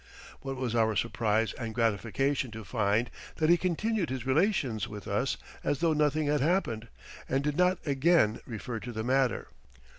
What was our surprise and gratification to find that he continued his relations with us as though nothing had happened, and did not again refer to the matter.